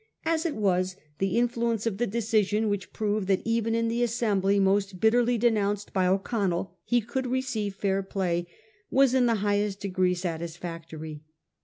As it was, the influence of the decision, which proved that even in the assembly most bitterly denounced by O'Connell he could receive fair play, was in the highest degree satisfactory.